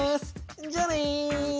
じゃあね。